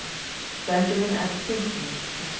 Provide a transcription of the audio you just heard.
Benjamin F. Pinckney, Esq.